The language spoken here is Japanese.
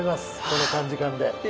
この短時間で。